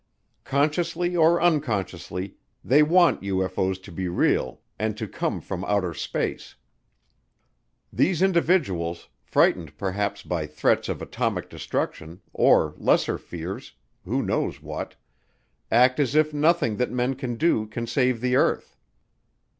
Consciously or unconsciously, they want UFO's to be real and to come from outer space. These individuals, frightened perhaps by threats of atomic destruction, or lesser fears who knows what act as if nothing that men can do can save the earth.